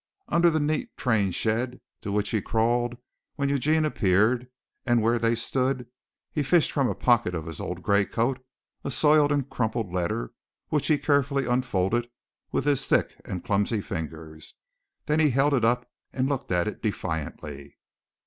Under the neat train shed to which he crawled when Eugene appeared and where they stood, he fished from a pocket of his old gray coat a soiled and crumpled letter which he carefully unfolded with his thick and clumsy fingers. Then he held it up and looked at it defiantly.